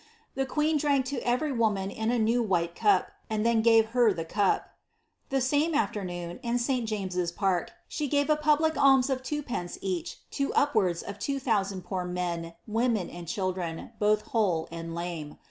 The queen drank to every woman in a new white cup, and then gave her the cup. The flame afternoon, in St. James's Park, she gave a public alms of two pence each to upwards of two thousand poor men, women, and chil dren, both whole and lame.